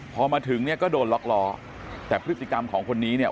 พอมาถึงเนี่ยก็โดนล็อกล้อแต่พฤติกรรมของคนนี้เนี่ย